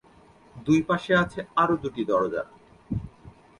দুই পাশে আছে আরও দুটি দরজা।